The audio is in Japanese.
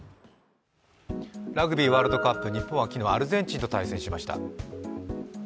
ラグビーワールドカップ、日本は昨日アルゼンチンと対戦しました。